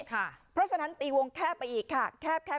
เพราะฉะนั้นตีวงแคบไปอีกค่ะ